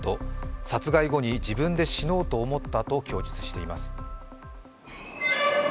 殺害後に自分で死のうと思ったと供述しています。